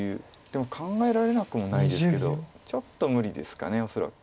でも考えられなくもないですけどちょっと無理ですか恐らく。